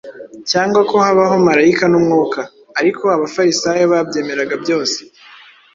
cyangwa ko habaho marayika n’umwuka: ariko Abafarisayo babyemeraga byose.”